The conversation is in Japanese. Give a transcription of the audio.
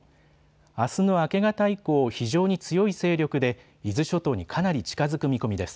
あすの明け方以降非常に強い勢力で伊豆諸島にかなり近づく見込みです。